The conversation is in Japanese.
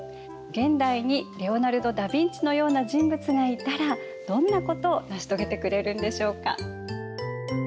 現代にレオナルド・ダ・ヴィンチのような人物がいたらどんなことを成し遂げてくれるんでしょうか。